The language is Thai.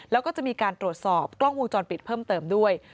แล้วก็จะมีการตรวจสอบกล้องวงจรปิดเพิ่มเติมด้วย